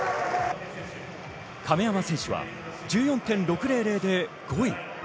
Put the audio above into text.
亀山選手は１４．６００で５位。